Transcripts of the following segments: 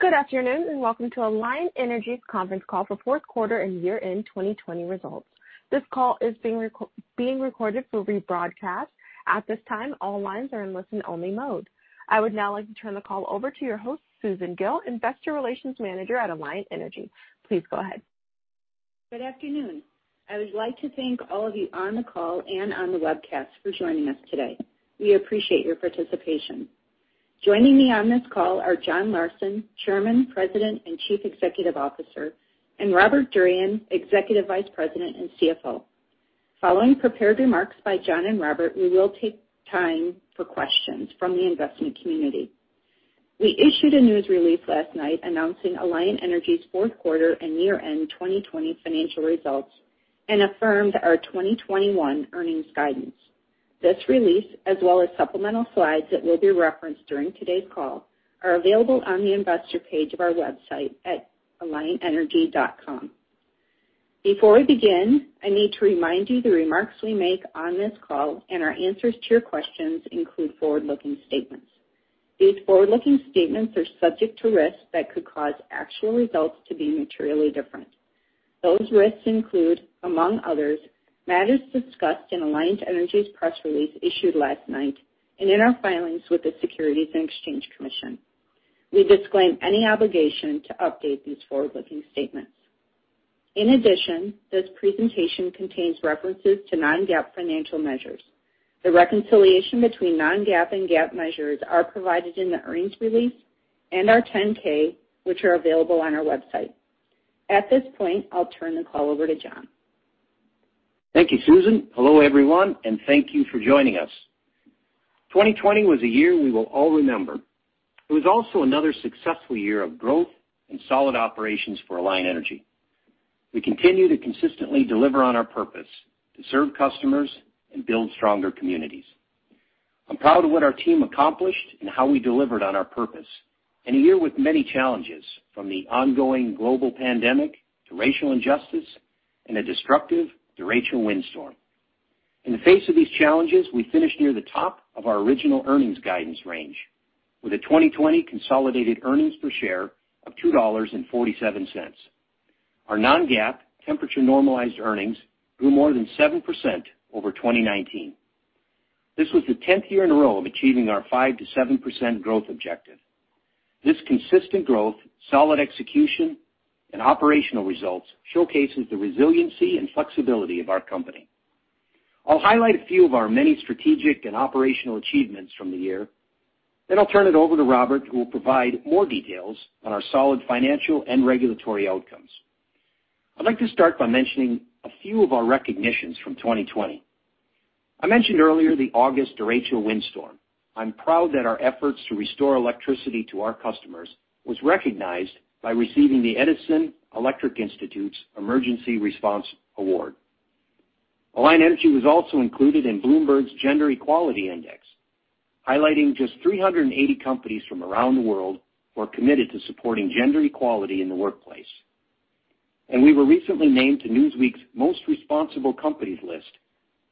Good afternoon, welcome to Alliant Energy's conference call for fourth quarter and year-end 2020 results. This call is being recorded for rebroadcast. At this time, all lines are in a listen-only mode. I would now like to turn the call over to your host, Susan Gille, Investor Relations Manager at Alliant Energy. Good afternoon. I would like to thank all of you on the call and on the webcast for joining us today. We appreciate your participation. Joining me on this call are John Larsen, Chairman, President, and Chief Executive Officer, and Robert Durian, Executive Vice President and CFO. Following prepared remarks by John and Robert, we will take time for questions from the investment community. We issued a news release last night announcing Alliant Energy's fourth quarter and year-end 2020 financial results and affirmed our 2021 earnings guidance. This release, as well as supplemental slides that will be referenced during today's call, are available on the Investor page of our website at alliantenergy.com. Before we begin, I need to remind you the remarks we make on this call and our answers to your questions include forward-looking statements. These forward-looking statements are subject to risks that could cause actual results to be materially different. Those risks include, among others, matters discussed in Alliant Energy's press release issued last night and in our filings with the Securities and Exchange Commission. We disclaim any obligation to update these forward-looking statements. In addition, this presentation contains references to non-GAAP financial measures. The reconciliation between non-GAAP and GAAP measures are provided in the earnings release and our 10-K, which are available on our website. At this point, I'll turn the call over to John. Thank you, Susan. Hello, everyone, and thank you for joining us. 2020 was a year we will all remember. It was also another successful year of growth and solid operations for Alliant Energy. We continue to consistently deliver on our purpose to serve customers and build stronger communities. I'm proud of what our team accomplished and how we delivered on our purpose in a year with many challenges, from the ongoing global pandemic to racial injustice and a destructive derecho windstorm. In the face of these challenges, we finished near the top of our original earnings guidance range with a 2020 consolidated earnings per share of $2.47. Our non-GAAP temperature-normalized earnings grew more than 7% over 2019. This was the 10th year in a row of achieving our 5%-7% growth objective. This consistent growth, solid execution, and operational results showcases the resiliency and flexibility of our company. I'll highlight a few of our many strategic and operational achievements from the year, then I'll turn it over to Robert, who will provide more details on our solid financial and regulatory outcomes. I'd like to start by mentioning a few of our recognitions from 2020. I mentioned earlier the August derecho windstorm. I'm proud that our efforts to restore electricity to our customers was recognized by receiving the Edison Electric Institute's Emergency Response Award. Alliant Energy was also included in Bloomberg's Gender-Equality Index, highlighting just 380 companies from around the world who are committed to supporting gender equality in the workplace. We were recently named to Newsweek's Most Responsible Companies list,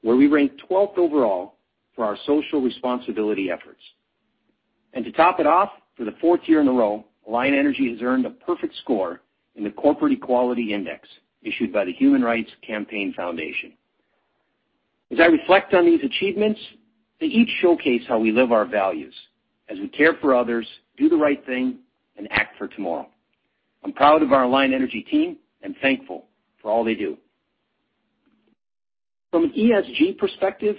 where we ranked 12th overall for our social responsibility efforts. To top it off, for the fourth year in a row, Alliant Energy has earned a perfect score in the Corporate Equality Index issued by the Human Rights Campaign Foundation. As I reflect on these achievements, they each showcase how we live our values as we care for others, do the right thing, and act for tomorrow. I'm proud of our Alliant Energy team and thankful for all they do. From an ESG perspective,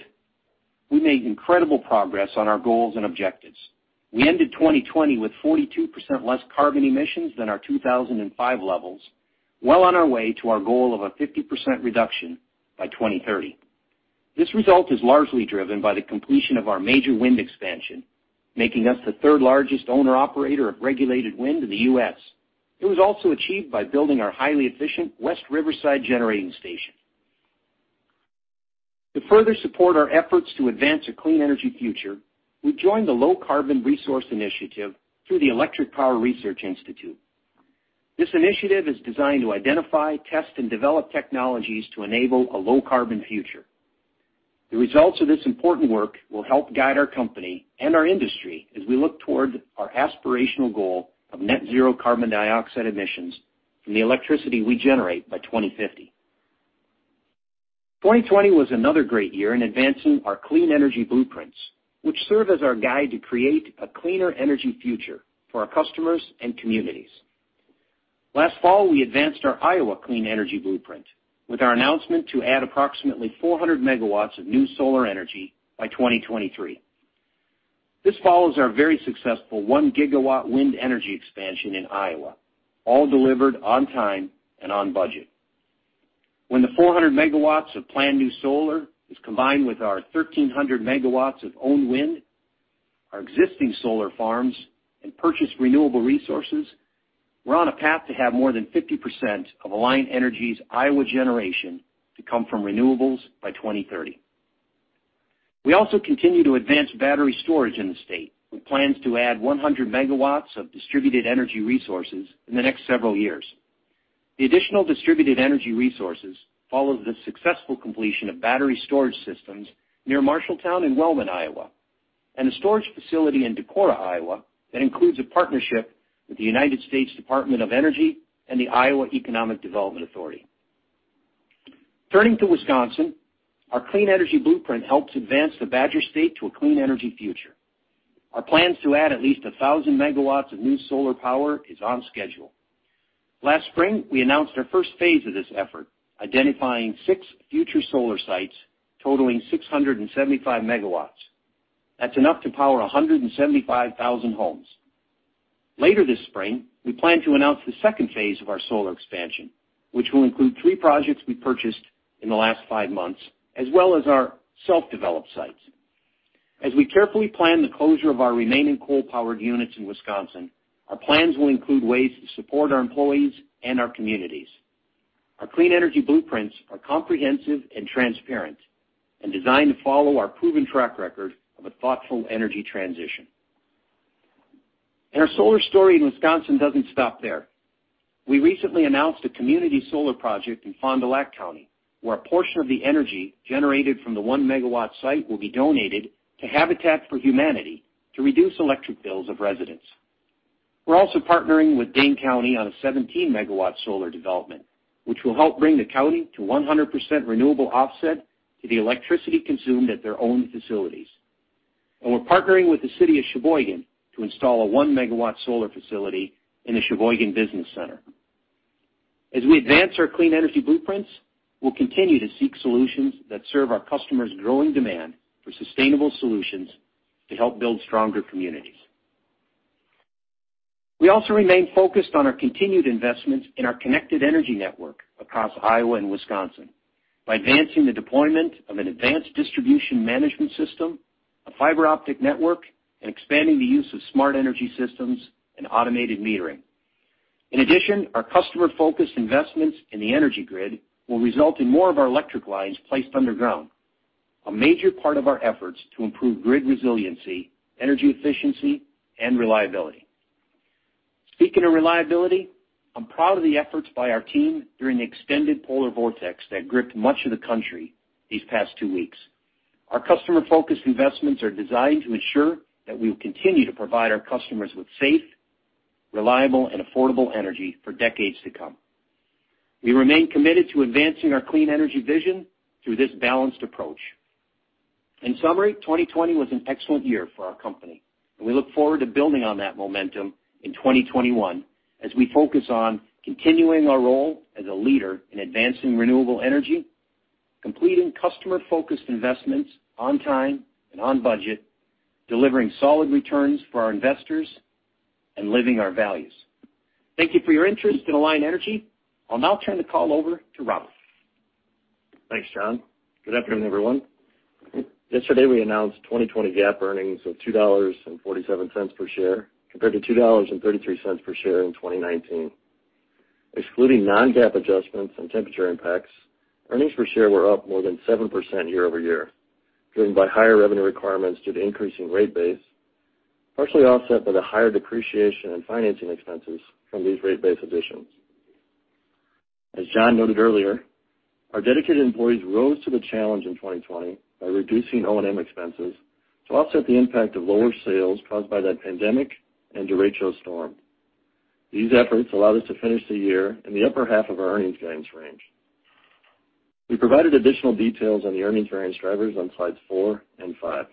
we made incredible progress on our goals and objectives. We ended 2020 with 42% less carbon emissions than our 2005 levels, well on our way to our goal of a 50% reduction by 2030. This result is largely driven by the completion of our major wind expansion, making us the third-largest owner-operator of regulated wind in the U.S. It was also achieved by building our highly efficient West Riverside generating station. To further support our efforts to advance a clean energy future, we've joined the Low-Carbon Resources Initiative through the Electric Power Research Institute. This initiative is designed to identify, test, and develop technologies to enable a low-carbon future. The results of this important work will help guide our company and our industry as we look toward our aspirational goal of net zero carbon dioxide emissions from the electricity we generate by 2050. 2020 was another great year in advancing our Clean Energy Blueprints, which serve as our guide to create a cleaner energy future for our customers and communities. Last fall, we advanced our Iowa Clean Energy Blueprint with our announcement to add approximately 400 MW of new solar energy by 2023. This follows our very successful 1 gigawatt wind energy expansion in Iowa, all delivered on time and on budget. When the 400 MW of planned new solar is combined with our 1,300 MW of owned wind, our existing solar farms, and purchased renewable resources, we're on a path to have more than 50% of Alliant Energy's Iowa generation to come from renewables by 2030. We also continue to advance battery storage in the state with plans to add 100 MW of distributed energy resources in the next several years. The additional distributed energy resources follow the successful completion of battery storage systems near Marshalltown and Wellman, Iowa, and a storage facility in Decorah, Iowa, that includes a partnership with the United States Department of Energy and the Iowa Economic Development Authority. Turning to Wisconsin, our Clean Energy Blueprint helps advance the Badger State to a clean energy future. Our plans to add at least 1,000 MW of new solar power is on schedule. Last spring, we announced our first phase of this effort, identifying six future solar sites totaling 675 MW. That's enough to power 175,000 homes. Later this spring, we plan to announce the second phase of our solar expansion, which will include three projects we purchased in the last five months, as well as our self-developed sites. As we carefully plan the closure of our remaining coal-powered units in Wisconsin, our plans will include ways to support our employees and our communities. Our Clean Energy Blueprints are comprehensive and transparent, and designed to follow our proven track record of a thoughtful energy transition. Our solar story in Wisconsin doesn't stop there. We recently announced a community solar project in Fond du Lac County, where a portion of the energy generated from the one MW site will be donated to Habitat for Humanity to reduce electric bills of residents. We're also partnering with Dane County on a 17-MW solar development, which will help bring the county to 100% renewable offset to the electricity consumed at their own facilities. We're partnering with the city of Sheboygan to install a 1-MW solar facility in the Sheboygan Business Center. As we advance our Clean Energy Blueprints, we'll continue to seek solutions that serve our customers' growing demand for sustainable solutions to help build stronger communities. We also remain focused on our continued investments in our connected energy network across Iowa and Wisconsin by advancing the deployment of an advanced distribution management system, a fiber-optic network, and expanding the use of smart energy systems and automated metering. In addition, our customer-focused investments in the energy grid will result in more of our electric lines placed underground, a major part of our efforts to improve grid resiliency, energy efficiency, and reliability. Speaking of reliability, I'm proud of the efforts by our team during the extended polar vortex that gripped much of the country these past two weeks. Our customer-focused investments are designed to ensure that we will continue to provide our customers with safe, reliable, and affordable energy for decades to come. We remain committed to advancing our clean energy vision through this balanced approach. In summary, 2020 was an excellent year for our company, and we look forward to building on that momentum in 2021 as we focus on continuing our role as a leader in advancing renewable energy, completing customer-focused investments on time and on budget, delivering solid returns for our investors, and living our values. Thank you for your interest in Alliant Energy. I'll now turn the call over to Robert. Thanks, John. Good afternoon, everyone. Yesterday, we announced 2020 GAAP earnings of $2.47 per share compared to $2.33 per share in 2019. Excluding non-GAAP adjustments and temperature impacts, earnings per share were up more than 7% year-over-year, driven by higher revenue requirements due to increasing rate base, partially offset by the higher depreciation and financing expenses from these rate base additions. As John noted earlier, our dedicated employees rose to the challenge in 2020 by reducing O&M expenses to offset the impact of lower sales caused by that pandemic and derecho storm. These efforts allowed us to finish the year in the upper half of our earnings guidance range. We provided additional details on the earnings variance drivers on slides four and five.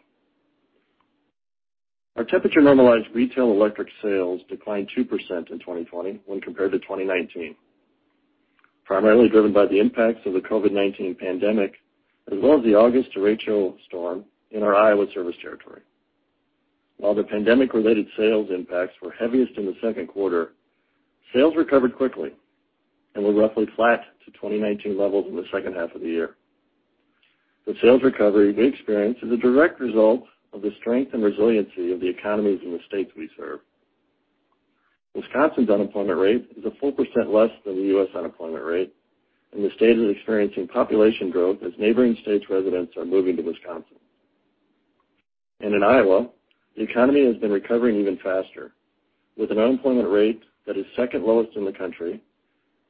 Our temperature-normalized retail electric sales declined 2% in 2020 when compared to 2019, primarily driven by the impacts of the COVID-19 pandemic as well as the August derecho storm in our Iowa service territory. While the pandemic-related sales impacts were heaviest in the second quarter, sales recovered quickly and were roughly flat to 2019 levels in the second half of the year. The sales recovery we experienced is a direct result of the strength and resiliency of the economies in the states we serve. Wisconsin's unemployment rate is 4% less than the U.S. unemployment rate. The state is experiencing population growth as neighboring states' residents are moving to Wisconsin. In Iowa, the economy has been recovering even faster, with an unemployment rate that is second lowest in the country,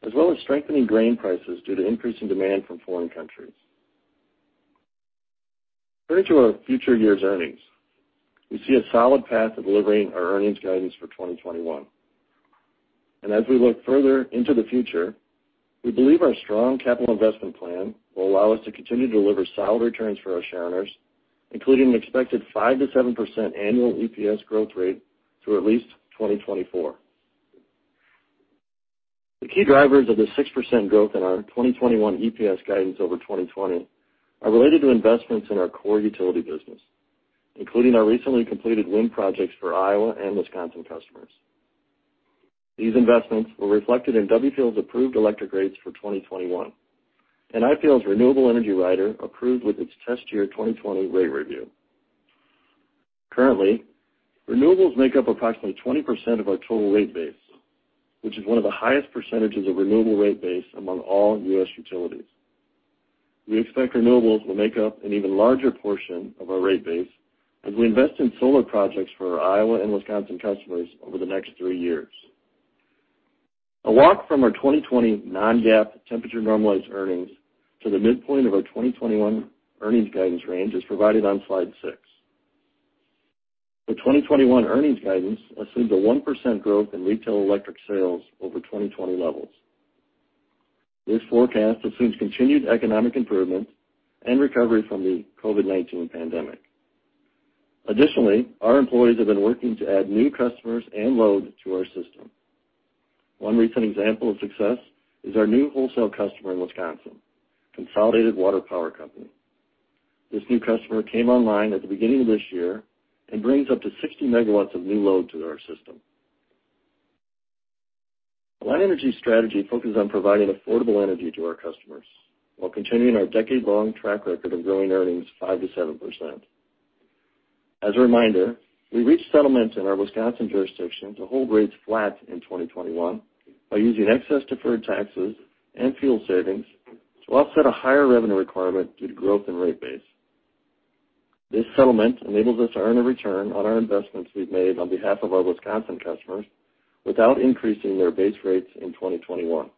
as well as strengthening grain prices due to increasing demand from foreign countries. Turning to our future year's earnings, we see a solid path to delivering our earnings guidance for 2021. As we look further into the future, we believe our strong capital investment plan will allow us to continue to deliver solid returns for our shareholders, including an expected 5%-7% annual EPS growth rate through at least 2024. The key drivers of the 6% growth in our 2021 EPS guidance over 2020 are related to investments in our core utility business, including our recently completed wind projects for Iowa and Wisconsin customers. These investments were reflected in WPL's approved electric rates for 2021, and IPL's renewable energy rider approved with its test-year 2020 rate review. Currently, renewables make up approximately 20% of our total rate base, which is one of the highest percentages of renewable rate base among all U.S. utilities. We expect renewables will make up an even larger portion of our rate base as we invest in solar projects for our Iowa and Wisconsin customers over the next three years. A walk from our 2020 non-GAAP temperature normalized earnings to the midpoint of our 2021 earnings guidance range is provided on slide six. The 2021 earnings guidance assumes a 1% growth in retail electric sales over 2020 levels. This forecast assumes continued economic improvement and recovery from the COVID-19 pandemic. Additionally, our employees have been working to add new customers and load to our system. One recent example of success is our new wholesale customer in Wisconsin, Consolidated Water Power Company. This new customer came online at the beginning of this year and brings up to 60 MW of new load to our system. Alliant Energy's strategy focuses on providing affordable energy to our customers while continuing our decade-long track record of growing earnings 5%-7%. As a reminder, we reached settlement in our Wisconsin jurisdiction to hold rates flat in 2021 by using excess deferred taxes and fuel savings to offset a higher revenue requirement due to growth in rate base. This settlement enables us to earn a return on our investments we've made on behalf of our Wisconsin customers without increasing their base rates in 2021.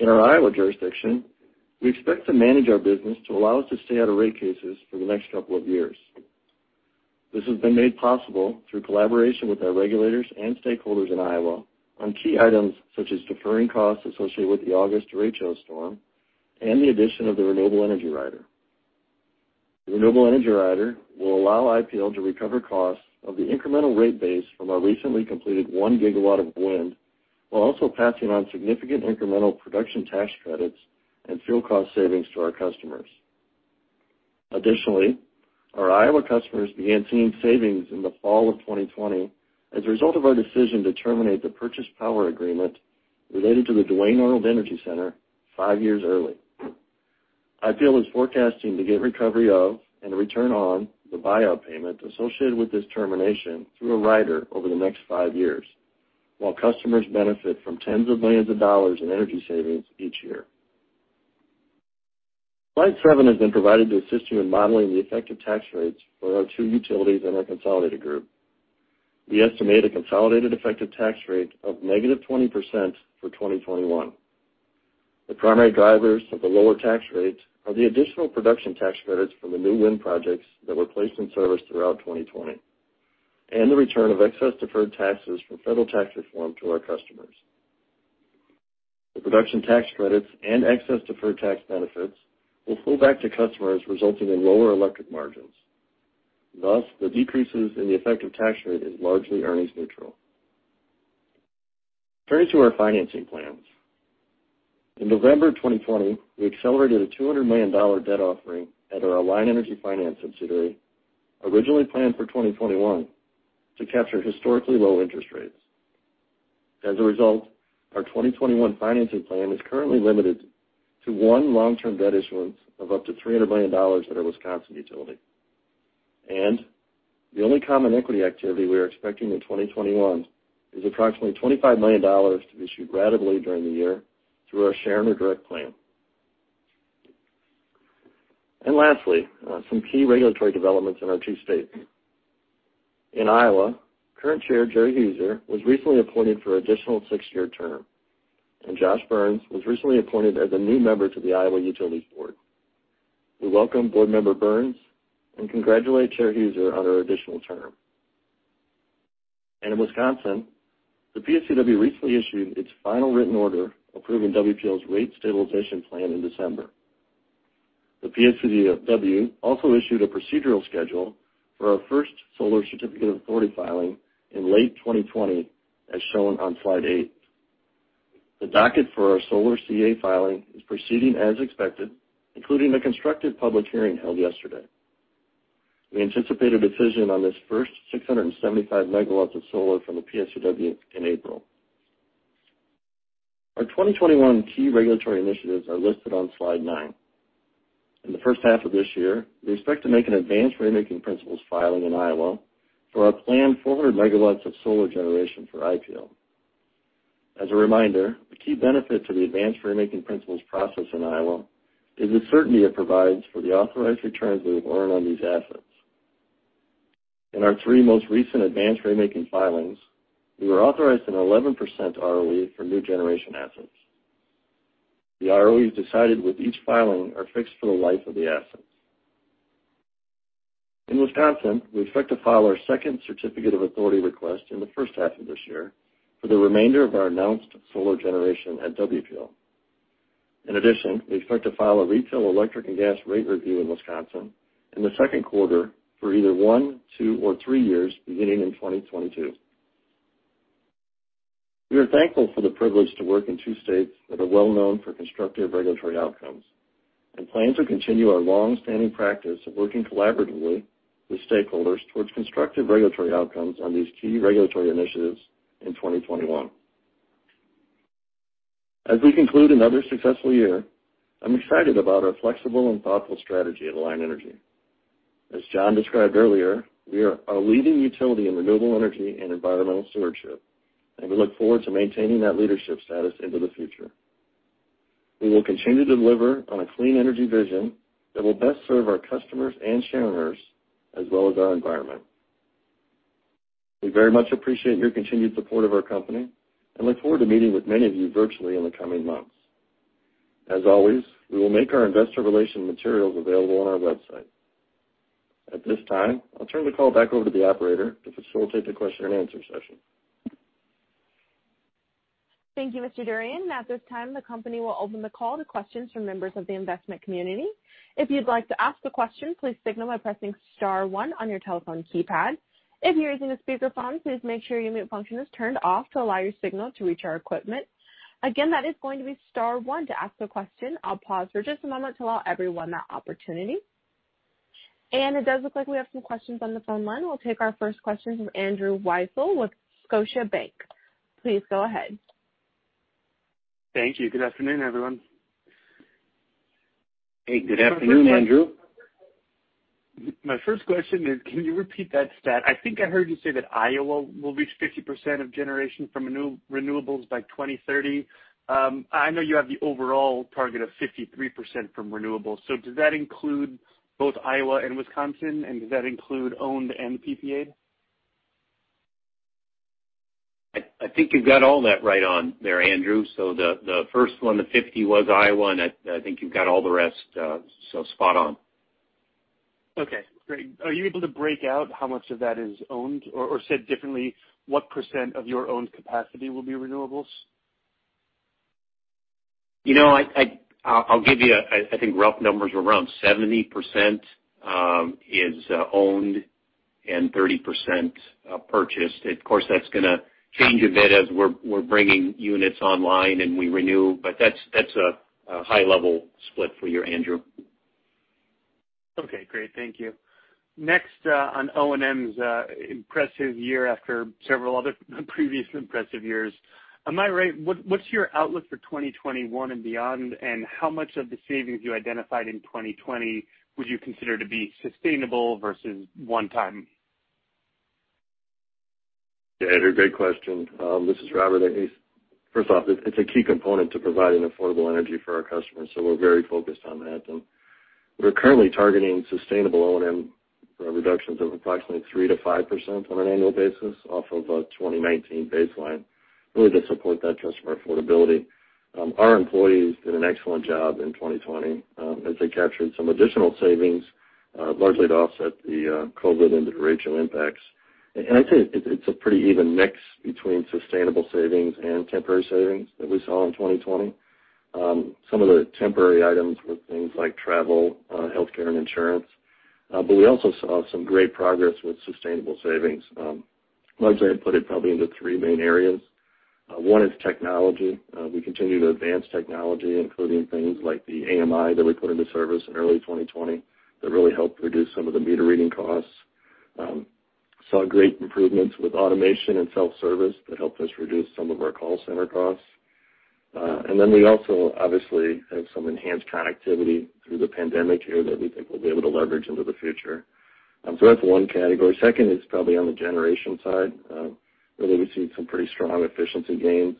In our Iowa jurisdiction, we expect to manage our business to allow us to stay out of rate cases for the next couple of years. This has been made possible through collaboration with our regulators and stakeholders in Iowa on key items such as deferring costs associated with the August derecho storm and the addition of the renewable energy rider. The renewable energy rider will allow IPL to recover costs of the incremental rate base from our recently completed 1 gigawatt of wind, while also passing on significant incremental production tax credits and fuel cost savings to our customers. Additionally, our Iowa customers began seeing savings in the fall of 2020 as a result of our decision to terminate the purchase power agreement related to the Duane Arnold Energy Center five years early. IPL is forecasting to get recovery of and a return on the buyout payment associated with this termination through a rider over the next five years, while customers benefit from tens of millions of dollars in energy savings each year. Slide seven has been provided to assist you in modeling the effective tax rates for our two utilities in our consolidated group. We estimate a consolidated effective tax rate of -20% for 2021. The primary drivers of the lower tax rates are the additional production tax credits from the new wind projects that were placed in service throughout 2020, and the return of excess deferred taxes from federal tax reform to our customers. The production tax credits and excess deferred tax benefits will flow back to customers, resulting in lower electric margins. Thus, the decreases in the effective tax rate is largely earnings neutral. Turning to our financing plans. In November 2020, we accelerated a $200 million debt offering at our Alliant Energy Finance subsidiary, originally planned for 2021, to capture historically low interest rates. As a result, our 2021 financing plan is currently limited to one long-term debt issuance of up to $300 million at our Wisconsin utility. The only common equity activity we are expecting in 2021 is approximately $25 million to be issued ratably during the year through our Shareowner Direct Plan. Lastly, some key regulatory developments in our two states. In Iowa, current Chair Geri Huser was recently appointed for an additional six-year term, and Josh Byrnes was recently appointed as a new member to the Iowa Utilities Board. We welcome Board Member Byrnes and congratulate Chair Huser on her additional term. In Wisconsin, the PSCW recently issued its final written order approving WPL's rate stabilization plan in December. The PSCW also issued a procedural schedule for our first solar certificate of authority filing in late 2020, as shown on slide eight. The docket for our solar CA filing is proceeding as expected, including a constructive public hearing held yesterday. We anticipate a decision on this first 675 MW of solar from the PSCW in April. Our 2021 key regulatory initiatives are listed on slide nine. In the first half of this year, we expect to make an Advanced Ratemaking Principles filing in Iowa for our planned 400 MW of solar generation for IPL. As a reminder, the key benefit to the Advanced Ratemaking Principles process in Iowa is the certainty it provides for the authorized returns that we've earned on these assets. In our three most recent Advanced Ratemaking filings, we were authorized an 11% ROE for new generation assets. The ROEs decided with each filing are fixed for the life of the assets. In Wisconsin, we expect to file our second certificate of authority request in the first half of this year for the remainder of our announced solar generation at WPL. In addition, we expect to file a retail electric and gas rate review in Wisconsin in the second quarter for either one, two, or three years beginning in 2022. We are thankful for the privilege to work in two states that are well known for constructive regulatory outcomes and plan to continue our longstanding practice of working collaboratively with stakeholders towards constructive regulatory outcomes on these key regulatory initiatives in 2021. As we conclude another successful year, I'm excited about our flexible and thoughtful strategy at Alliant Energy. As John described earlier, we are a leading utility in renewable energy and environmental stewardship. We look forward to maintaining that leadership status into the future. We will continue to deliver on a clean energy vision that will best serve our customers and shareholders, as well as our environment. We very much appreciate your continued support of our company and look forward to meeting with many of you virtually in the coming months. As always, we will make our investor relation materials available on our website. At this time, I'll turn the call back over to the operator to facilitate the question and answer session. Thank you, Mr. Durian. At this time, the company will open the call to questions from members of the investment community. If you'd like to ask a question, please signal by pressing star one on your telephone keypad. If you're using a speakerphone, please make sure your mute function is turned off to allow your signal to reach our equipment. Again, that is going to be star one to ask a question. I'll pause for just a moment to allow everyone that opportunity. It does look like we have some questions on the phone line. We'll take our first question from Andrew Weisel with Scotiabank. Please go ahead. Thank you. Good afternoon, everyone. Hey, good afternoon, Andrew. My first question is, can you repeat that stat? I think I heard you say that Iowa will reach 50% of generation from renewables by 2030. I know you have the overall target of 53% from renewables. Does that include both Iowa and Wisconsin, and does that include owned and PPA? I think you've got all that right on there, Andrew. The first one, the 50%, was Iowa, and I think you've got all the rest spot on. Okay, great. Are you able to break out how much of that is owned? Said differently, what percent of your owned capacity will be renewables? I'll give you, I think, rough numbers. Around 70% is owned and 30% purchased. Of course, that's going to change a bit as we're bringing units online and we renew, but that's a high-level split for you, Andrew. Okay, great. Thank you. On O&M's impressive year after several other previous impressive years. Am I right? What's your outlook for 2021 and beyond, and how much of the savings you identified in 2020 would you consider to be sustainable versus one time? Yeah, Andrew, great question. This is Robert. First off, it's a key component to providing affordable energy for our customers, so we're very focused on that. We're currently targeting sustainable O&M reductions of approximately 3%-5% on an annual basis off of a 2019 baseline, really to support that customer affordability. Our employees did an excellent job in 2020 as they captured some additional savings, largely to offset the COVID and the derecho impacts. I'd say it's a pretty even mix between sustainable savings and temporary savings that we saw in 2020. Some of the temporary items were things like travel, healthcare, and insurance. We also saw some great progress with sustainable savings. Largely, I'd put it probably into three main areas. One is technology. We continue to advance technology, including things like the AMI that we put into service in early 2020 that really helped reduce some of the meter reading costs. Saw great improvements with automation and self-service that helped us reduce some of our call center costs. We also obviously have some enhanced connectivity through the pandemic here that we think we'll be able to leverage into the future. That's one category. Second is probably on the generation side, where we've seen some pretty strong efficiency gains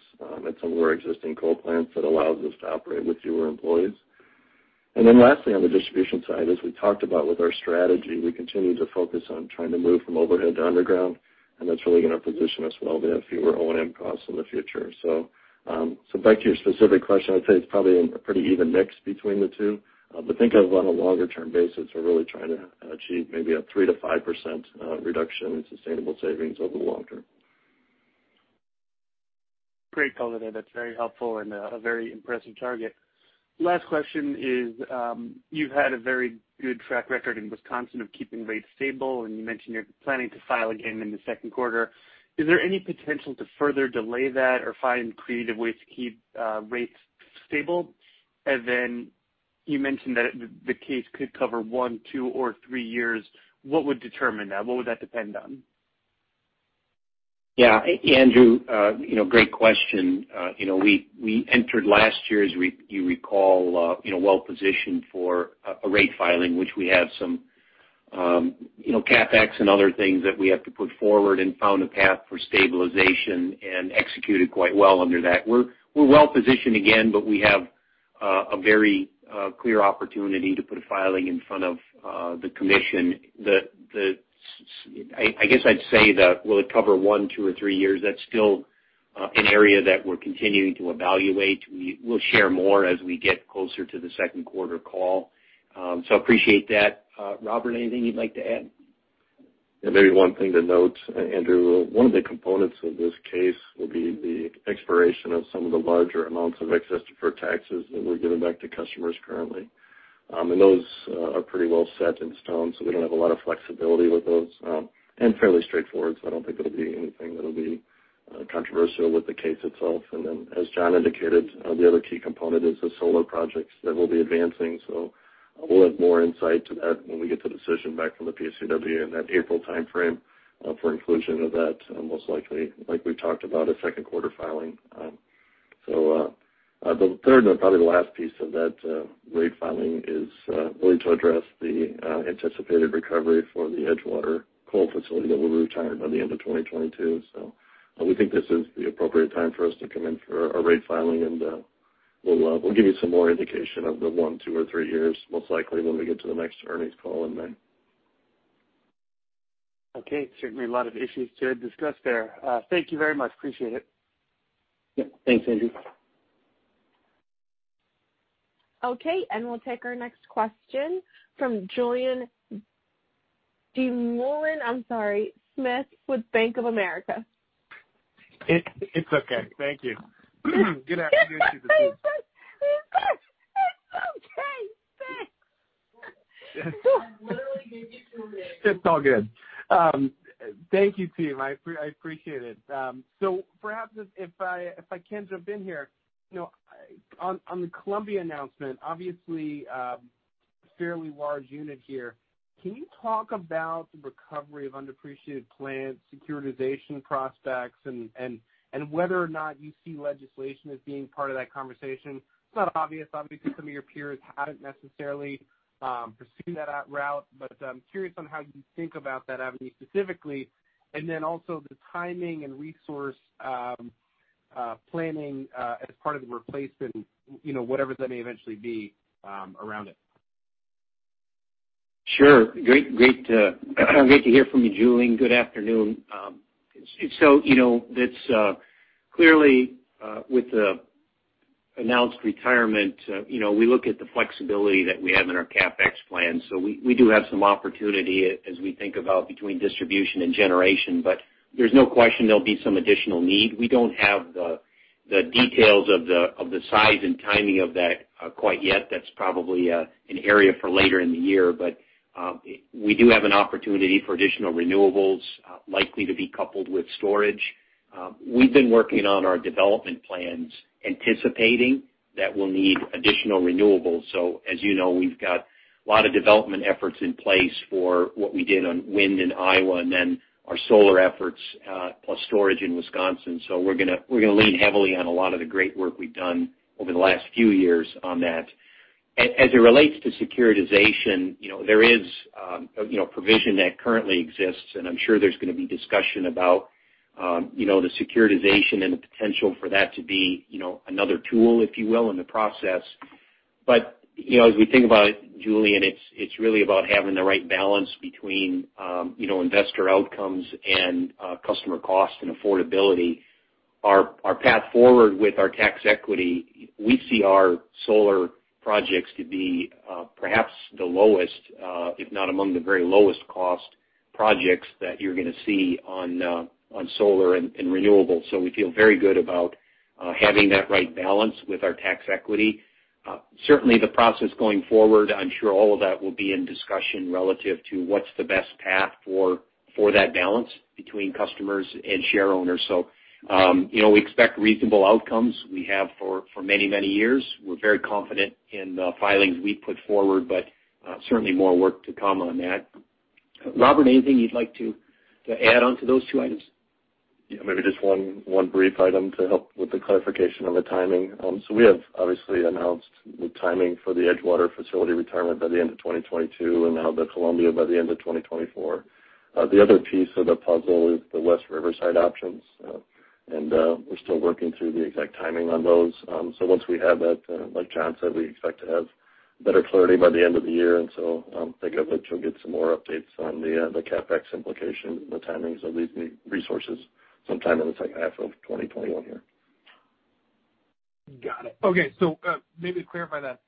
at some of our existing coal plants that allows us to operate with fewer employees. Lastly, on the distribution side, as we talked about with our strategy, we continue to focus on trying to move from overhead to underground, and that's really going to position us well to have fewer O&M costs in the future. Back to your specific question, I'd say it's probably a pretty even mix between the two. Think of on a longer-term basis, we're really trying to achieve maybe a 3%-5% reduction in sustainable savings over the long term. Great color there. That's very helpful and a very impressive target. Last question is, you've had a very good track record in Wisconsin of keeping rates stable, and you mentioned you're planning to file again in the second quarter. Is there any potential to further delay that or find creative ways to keep rates stable? Then you mentioned that the case could cover one, two, or three years. What would determine that? What would that depend on? Yeah, Andrew, great question. We entered last year, as you recall, well-positioned for a rate filing, which we have some CapEx and other things that we have to put forward and found a path for stabilization and executed quite well under that. We're well-positioned again, we have a very clear opportunity to put a filing in front of the commission. I guess I'd say that will it cover one, two, or three years? That's still an area that we're continuing to evaluate. We'll share more as we get closer to the second quarter call. Appreciate that. Robert, anything you'd like to add? Yeah, maybe one thing to note, Andrew, one of the components of this case will be the expiration of some of the larger amounts of excess deferred taxes that we're giving back to customers currently. Those are pretty well set in stone, so we don't have a lot of flexibility with those. Fairly straightforward, so I don't think it'll be anything that'll be controversial with the case itself. As John indicated, the other key component is the solar projects that we'll be advancing. We'll have more insight to that when we get the decision back from the PSCW in that April timeframe for inclusion of that, most likely, like we talked about, a second quarter filing. The third and probably the last piece of that rate filing is going to address the anticipated recovery for the Edgewater coal facility that will be retired by the end of 2022. We think this is the appropriate time for us to come in for a rate filing, and we'll give you some more indication of the one, two, or three years, most likely when we get to the next earnings call in May. Okay. Certainly a lot of issues to discuss there. Thank you very much. Appreciate it. Yeah. Thanks, Andrew. Okay. We'll take our next question from Julien Dumoulin-Smith, I'm sorry, Smith with Bank of America. It's okay. Thank you. Good afternoon to the team. It's okay, Smith. I literally gave you two names. It's all good. Thank you, team. I appreciate it. Perhaps if I can jump in here. On the Duane Arnold Energy Center announcement, obviously fairly large unit here. Can you talk about the recovery of undepreciated plants, securitization prospects, and whether or not you see legislation as being part of that conversation? It's not obvious, obviously, because some of your peers haven't necessarily pursued that route. I'm curious on how you think about that avenue specifically, and then also the timing and resource planning as part of the replacement, whatever that may eventually be around it. Sure. Great to hear from you, Julien. Good afternoon. Clearly with the announced retirement, we look at the flexibility that we have in our CapEx plan. We do have some opportunity as we think about between distribution and generation. There's no question there'll be some additional need. We don't have the details of the size and timing of that quite yet. That's probably an area for later in the year. We do have an opportunity for additional renewables, likely to be coupled with storage. We've been working on our development plans, anticipating that we'll need additional renewables. As you know, we've got a lot of development efforts in place for what we did on wind in Iowa and then our solar efforts plus storage in Wisconsin. We're going to lean heavily on a lot of the great work we've done over the last few years on that. As it relates to securitization, there is a provision that currently exists, and I'm sure there's going to be discussion about the securitization and the potential for that to be another tool, if you will, in the process. As we think about it, Julien, it's really about having the right balance between investor outcomes and customer cost and affordability. Our path forward with our tax equity, we see our solar projects to be perhaps the lowest, if not among the very lowest cost projects that you're going to see on solar and renewables. We feel very good about having that right balance with our tax equity. Certainly the process going forward, I'm sure all of that will be in discussion relative to what's the best path for that balance between customers and share owners. We expect reasonable outcomes. We have for many years. We're very confident in the filings we put forward, certainly more work to come on that. Robert, anything you'd like to add onto those two items? Yeah, maybe just one brief item to help with the clarification on the timing. We have obviously announced the timing for the Edgewater facility retirement by the end of 2022 and now the Columbia by the end of 2024. The other piece of the puzzle is the West Riverside options, and we're still working through the exact timing on those. Once we have that, like John said, we expect to have better clarity by the end of the year. I think that you'll get some more updates on the CapEx implication, the timings of these resources sometime in the second half of 2021 here. Got it. Okay. Maybe to clarify that,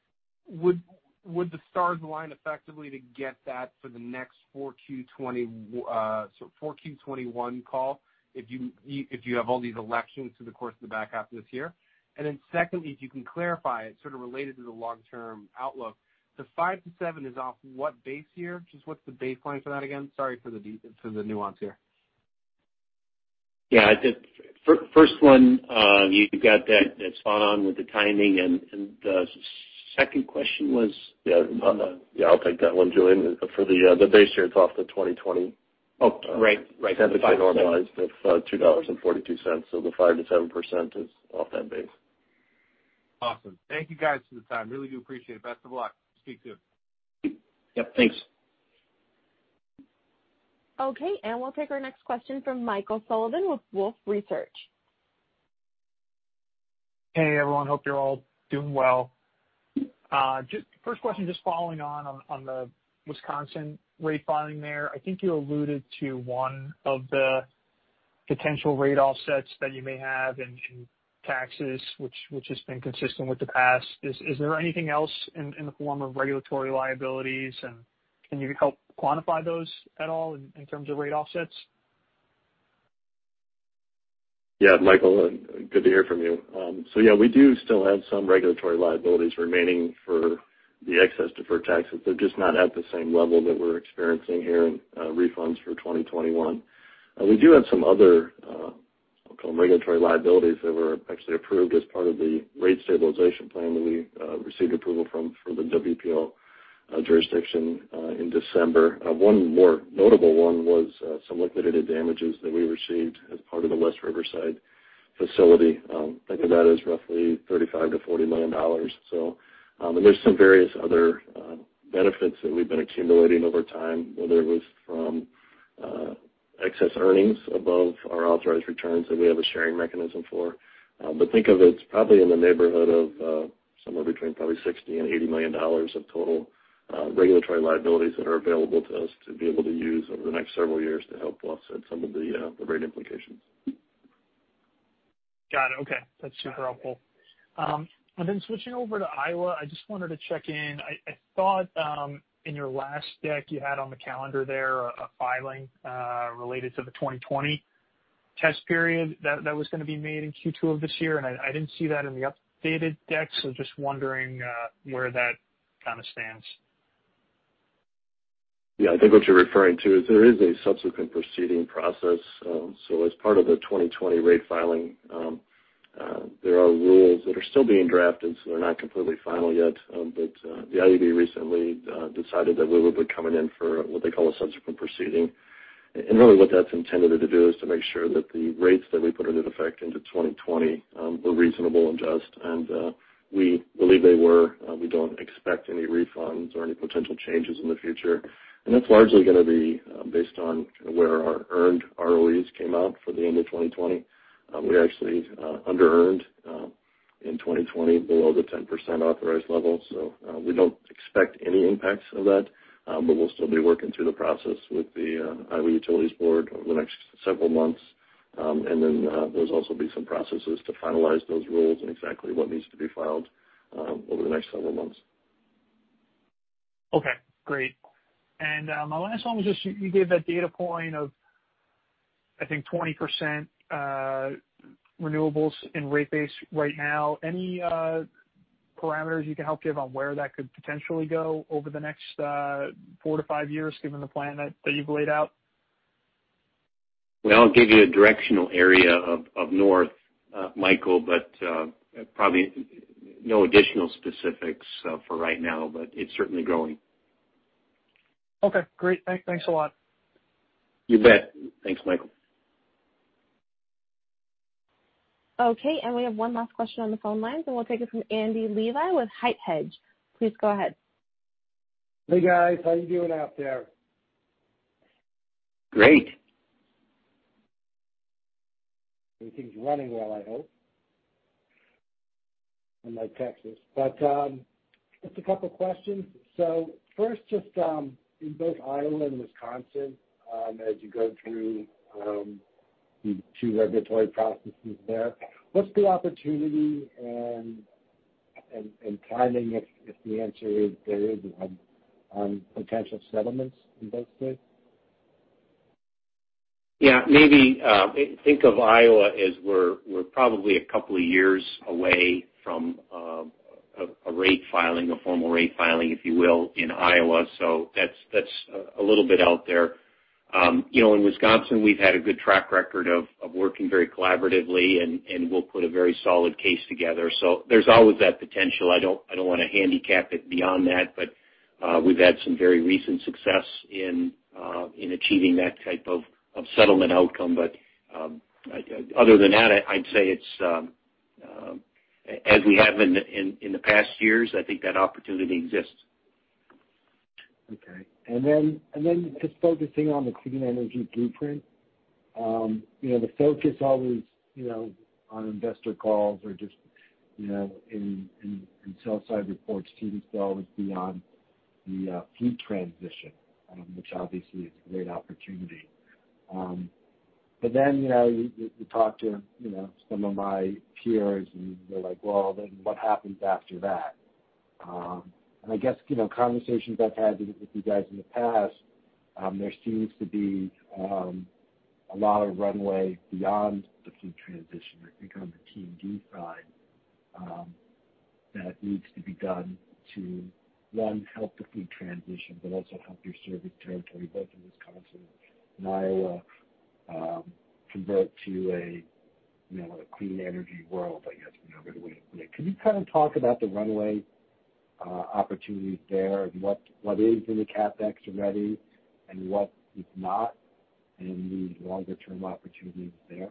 would the stars align effectively to get that for the next 4Q 2021 call if you have all these elections through the course of the back half of this year? Then secondly, if you can clarify, sort of related to the long-term outlook, the 5%-7% is off what base year? Just what's the baseline for that again? Sorry for the nuance here. Yeah. First one, you got that spot on with the timing. The second question was? Yeah. I'll take that one, Julien. For the base year, it's off the 2020. Oh, right. temperature normalized of $2.42. The 5%-7% is off that base. Awesome. Thank you guys for the time. Really do appreciate it. Best of luck. Speak soon. Yep, thanks. Okay. We'll take our next question from Michael Sullivan with Wolfe Research. Hey, everyone. Hope you're all doing well. First question, just following on the Wisconsin rate filing there. I think you alluded to one of the potential rate offsets that you may have in taxes, which has been consistent with the past. Is there anything else in the form of regulatory liabilities, and can you help quantify those at all in terms of rate offsets? Yeah. Michael, good to hear from you. Yeah, we do still have some regulatory liabilities remaining for the excess deferred taxes. They're just not at the same level that we're experiencing here in refunds for 2021. We do have some other, I'll call them regulatory liabilities, that were actually approved as part of the Rate stabilization plan that we received approval from for the WPL jurisdiction in December. One more notable one was some liquidated damages that we received as part of the West Riverside facility. Think of that as roughly $35 million-$40 million. There's some various other benefits that we've been accumulating over time, whether it was from excess earnings above our authorized returns that we have a sharing mechanism for. Think of it's probably in the neighborhood of somewhere between probably $60 million and $80 million of total regulatory liabilities that are available to us to be able to use over the next several years to help offset some of the rate implications. Got it. Okay. That's super helpful. Switching over to Iowa, I just wanted to check in. I thought, in your last deck, you had on the calendar there a filing related to the 2020 test period that was gonna be made in Q2 of this year, and I didn't see that in the updated deck, so just wondering where that kind of stands. Yeah, I think what you're referring to is there is a subsequent proceeding process. As part of the 2020 rate filing, there are rules that are still being drafted, so they're not completely final yet. The IUB recently decided that we would be coming in for what they call a subsequent proceeding. Really what that's intended to do is to make sure that the rates that we put into effect into 2020 were reasonable and just, and we believe they were. We don't expect any refunds or any potential changes in the future. That's largely going to be based on where our earned ROEs came out for the end of 2020. We actually under-earned in 2020 below the 10% authorized level. We don't expect any impacts of that, but we'll still be working through the process with the Iowa Utilities Board over the next several months. There's also be some processes to finalize those rules and exactly what needs to be filed over the next several months. Okay, great. My last one was just you gave that data point of, I think, 20% renewables in rate base right now. Any parameters you can help give on where that could potentially go over the next 4 to 5 years, given the plan that you've laid out? Well, I'll give you a directional area of north, Michael, but probably no additional specifics for right now, but it's certainly growing. Okay, great. Thanks a lot. You bet. Thanks, Michael. Okay. We have one last question on the phone lines, and we'll take it from Andy Levi with HITE Hedge. Please go ahead. Hey, guys. How you doing out there? Great. Everything's running well, I hope, unlike Texas. Just a couple of questions. First, just in both Iowa and Wisconsin, as you go through the two regulatory processes there, what's the opportunity and timing if the answer is there is one, on potential settlements in those states? Yeah, maybe, think of Iowa as we're probably a couple of years away from a rate filing, a formal rate filing, if you will, in Iowa. That's a little bit out there. In Wisconsin, we've had a good track record of working very collaboratively and we'll put a very solid case together. There's always that potential. I don't want to handicap it beyond that, but we've had some very recent success in achieving that type of settlement outcome. Other than that, I'd say it's as we have in the past years, I think that opportunity exists. Okay. Just focusing on the Clean Energy Blueprint, you know, the focus always, you know, on investor calls or just, in sell-side reports seems to always be on the fleet transition, which obviously is a great opportunity. You talk to some of my peers, and they're like, "Well, then what happens after that?" I guess conversations I've had with you guys in the past, there seems to be a lot of runway beyond the fleet transition, I think on the T&D side, that needs to be done to, one, help the fleet transition, but also help your service territory, both in Wisconsin and Iowa, convert to a clean energy world, I guess would be another way to put it. Can you kind of talk about the runway, opportunities there and what is in the CapEx already and what is not and the longer-term opportunities there?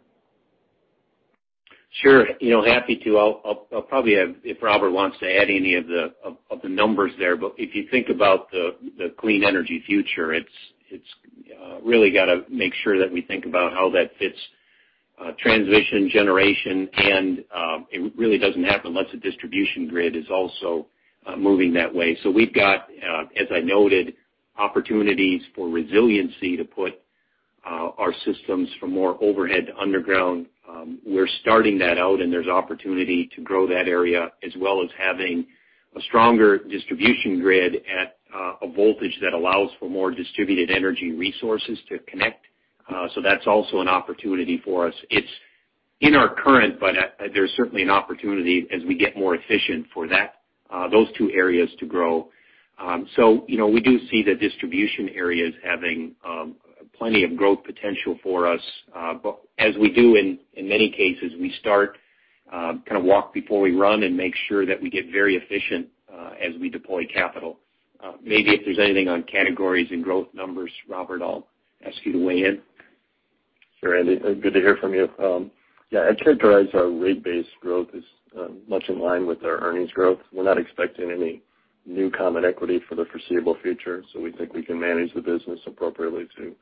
Sure. Happy to. I'll probably, if Robert wants to add any of the numbers there. If you think about the clean energy future, it's really got to make sure that we think about how that fleet transition, generation, and it really doesn't happen unless the distribution grid is also moving that way. We've got, as I noted, opportunities for resiliency to put our systems from more overhead to underground. We're starting that out, and there's opportunity to grow that area, as well as having a stronger distribution grid at a voltage that allows for more distributed energy resources to connect. That's also an opportunity for us. It's in our current, but there's certainly an opportunity as we get more efficient for those two areas to grow. We do see the distribution areas having. Plenty of growth potential for us. As we do in many cases, we kind of walk before we run and make sure that we get very efficient as we deploy capital. Maybe if there's anything on categories and growth numbers, Robert, I'll ask you to weigh in. Sure, Andy. Good to hear from you. Yeah, I'd characterize our rate base growth as much in line with our earnings growth. We're not expecting any new common equity for the foreseeable future, so we think we can manage the business appropriately to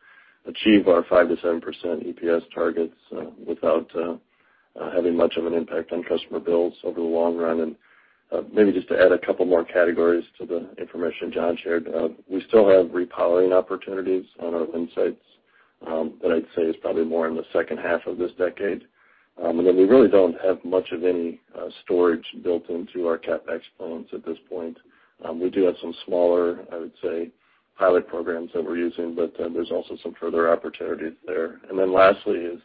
achieve our 5%-7% EPS targets without having much of an impact on customer bills over the long run. Maybe just to add a couple more categories to the information John shared. We still have repowering opportunities on our wind sites, that I'd say is probably more in the second half of this decade. We really don't have much of any storage built into our CapEx plans at this point. We do have some smaller, I would say, pilot programs that we're using, but there's also some further opportunities there. Lastly is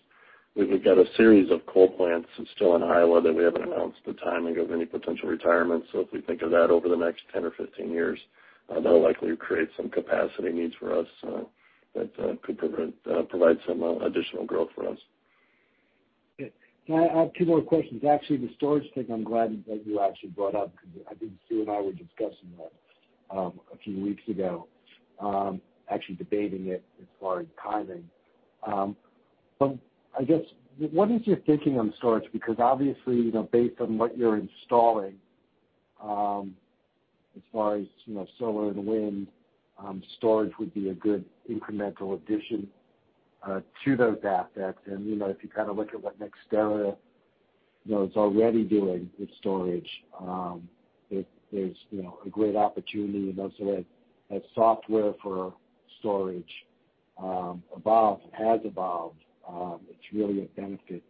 we've got a series of coal plants that is still in Iowa that we haven't announced the timing of any potential retirement. If we think of that over the next 10 or 15 years, that will likely create some capacity needs for us that could provide some additional growth for us. Okay. Can I add two more questions? The storage thing, I'm glad that you actually brought up, because I think Stu and I were discussing that a few weeks ago, actually debating it as far as timing. I guess, what is your thinking on storage? Obviously, based on what you're installing, as far as solar and wind, storage would be a good incremental addition to those assets. If you kind of look at what NextEra is already doing with storage there's a great opportunity. Also as software for storage evolved and has evolved, it's really a benefit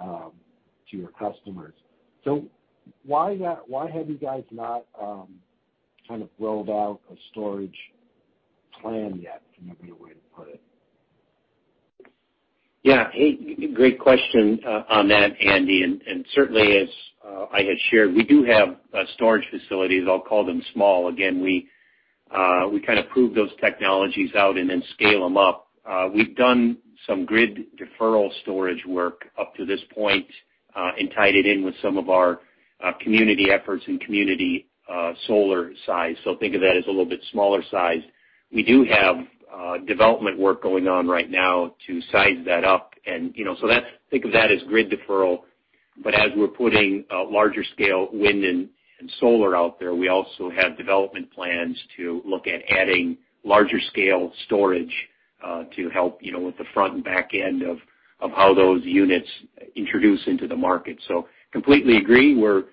to your customers. Why have you guys not kind of rolled out a storage plan yet? Maybe a way to put it. Yeah. Great question on that, Andy. Certainly as I had shared, we do have storage facilities. I'll call them small. Again, we kind of prove those technologies out and then scale them up. We've done some grid deferral storage work up to this point and tied it in with some of our community efforts and community solar size. Think of that as a little bit smaller size. We do have development work going on right now to size that up. Think of that as grid deferral. As we're putting larger scale wind and solar out there, we also have development plans to look at adding larger scale storage to help with the front and back end of how those units introduce into the market. Completely agree. We're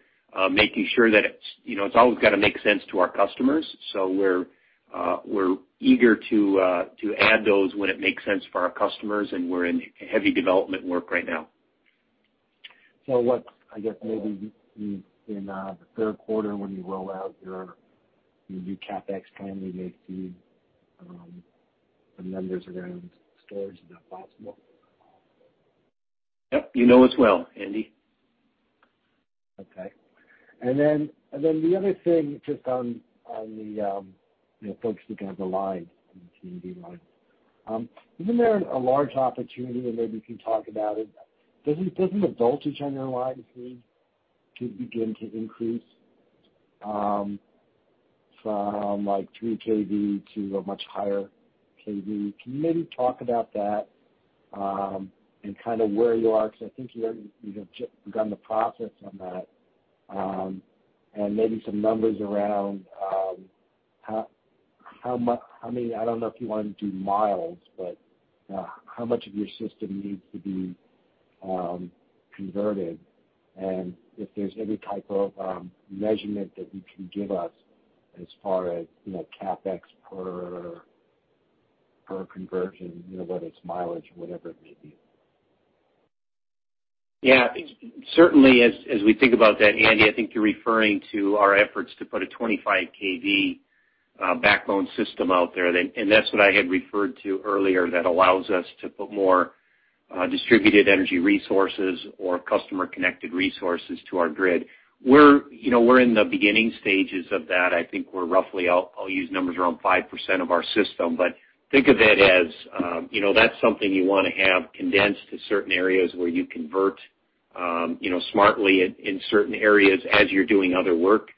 making sure that it's always got to make sense to our customers. We're eager to add those when it makes sense for our customers, and we're in heavy development work right now. What, I guess maybe in the third quarter when you roll out your new CapEx plan, we may see some numbers around storage. Is that possible? Yep. You know us well, Andy. Okay. The other thing, just on the folks looking at the line, the T&D line. Isn't there a large opportunity, and maybe you can talk about it. Doesn't the voltage on your line need to begin to increase from like 3 kV to a much higher kV? Can you maybe talk about that, and kind of where you are? I think you have just begun the process on that. Maybe some numbers around I don't know if you want to do miles, but how much of your system needs to be converted, and if there's any type of measurement that you can give us as far as CapEx per conversion, whether it's mileage or whatever it may be. Yeah. Certainly, as we think about that, Andy, I think you're referring to our efforts to put a 25 kV backbone system out there. That's what I had referred to earlier that allows us to put more distributed energy resources or customer-connected resources to our grid. We're in the beginning stages of that. I think we're roughly, I'll use numbers around 5% of our system. Think of it as that's something you want to have condensed to certain areas where you convert smartly in certain areas as you're doing other work.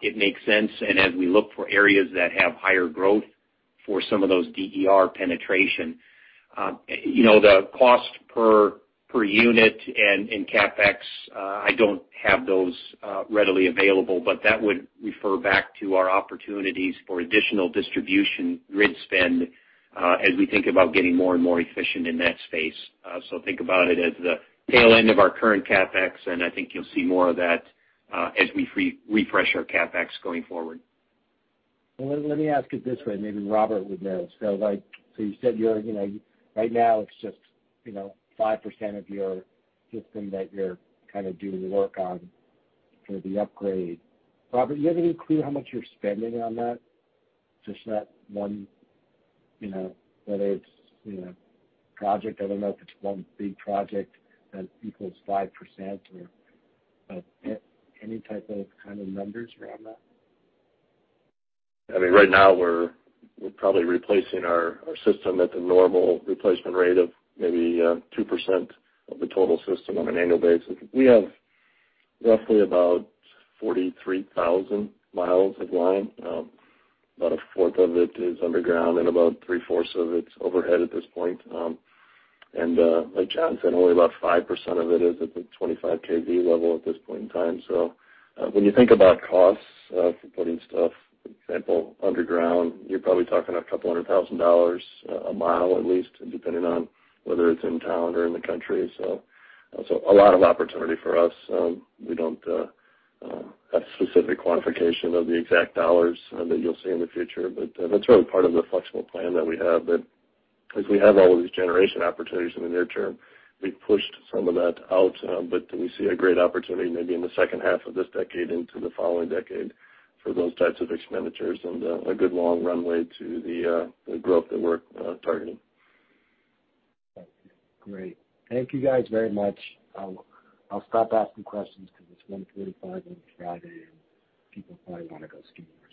It makes sense, and as we look for areas that have higher growth for some of those DER penetration. The cost per unit and CapEx, I don't have those readily available, but that would refer back to our opportunities for additional distribution grid spend as we think about getting more and more efficient in that space. Think about it as the tail end of our current CapEx, and I think you'll see more of that as we refresh our CapEx going forward. Well, let me ask it this way. Maybe Robert would know. You said right now it's just 5% of your system that you're kind of doing work on for the upgrade. Robert, do you have any clue how much you're spending on that? Just that one whether it's project, I don't know if it's one big project that equals 5% or any type of kind of numbers around that? Right now we're probably replacing our system at the normal replacement rate of maybe 2% of the total system on an annual basis. We have roughly about 43,000 mi of line. About a fourth of it is underground and about three-fourths of it's overhead at this point. Like John said, only about 5% of it is at the 25 kV level at this point in time. When you think about costs for putting stuff, for example, underground, you're probably talking a couple hundred thousand dollars a mile at least, depending on whether it's in town or in the country. A lot of opportunity for us. We don't have specific quantification of the exact dollars that you'll see in the future, but that's really part of the flexible plan that we have, that because we have all of these generation opportunities in the near term, we've pushed some of that out. We see a great opportunity maybe in the second half of this decade into the following decade for those types of expenditures and a good long runway to the growth that we're targeting. Great. Thank you guys very much. I'll stop asking questions because it's 1:35 P.M and it's Friday, and people probably want to go skiing or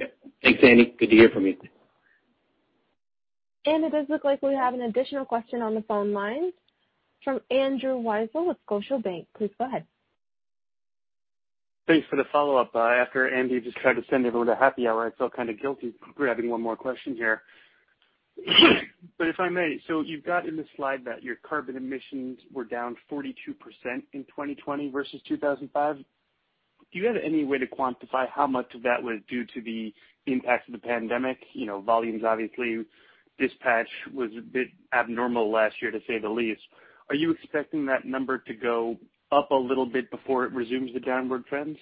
something. Yep. Thanks, Andy. Good to hear from you. It does look like we have an additional question on the phone line from Andrew Weisel with Scotiabank. Please go ahead. Thanks for the follow-up. After Andy just tried to send everyone to happy hour, I feel kind of guilty for having one more question here. If I may? You've got in the slide that your carbon emissions were down 42% in 2020 versus 2005. Do you have any way to quantify how much of that was due to the impact of the pandemic? Volumes, obviously, dispatch was a bit abnormal last year, to say the least. Are you expecting that number to go up a little bit before it resumes the downward trends?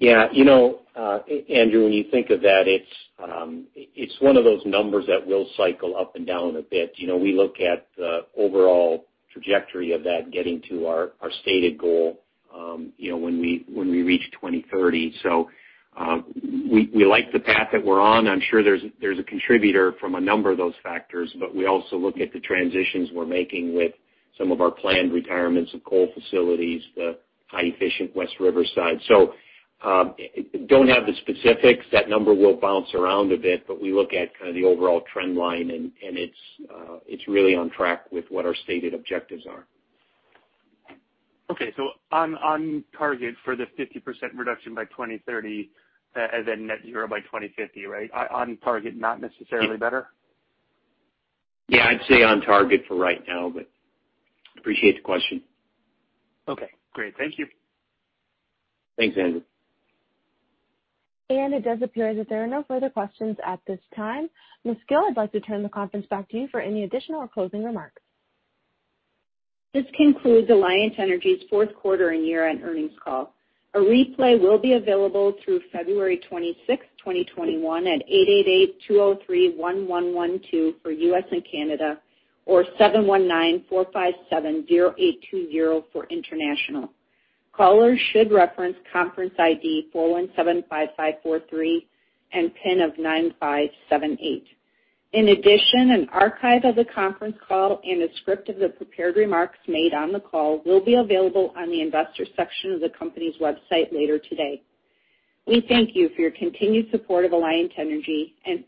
Andrew, when you think of that, it's one of those numbers that will cycle up and down a bit. We look at the overall trajectory of that getting to our stated goal when we reach 2030. We like the path that we're on. I'm sure there's a contributor from a number of those factors. We also look at the transitions we're making with some of our planned retirements of coal facilities, the high-efficient West Riverside. Don't have the specifics. That number will bounce around a bit, but we look at kind of the overall trend line, and it's really on track with what our stated objectives are. Okay. On target for the 50% reduction by 2030 and then net zero by 2050, right? On target, not necessarily better? Yeah, I'd say on target for right now. Appreciate the question. Okay, great. Thank you. Thanks, Andrew. It does appear that there are no further questions at this time. Ms. Gille, I'd like to turn the conference back to you for any additional or closing remarks. This concludes Alliant Energy's fourth quarter and year-end earnings call. A replay will be available through February 26th, 2021, at 888-203-1112 for U.S. and Canada or 719-457-0820 for international. Callers should reference conference ID 4175543 and PIN of 9578. In addition, an archive of the conference call and a script of the prepared remarks made on the call will be available on the Investor section of the company's website later today. We thank you for your continued support of Alliant Energy, and-